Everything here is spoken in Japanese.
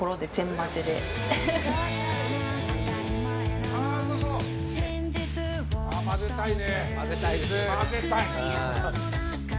混ぜたいね！